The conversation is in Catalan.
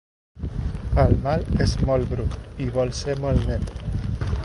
El mal és molt brut i vol ser molt net.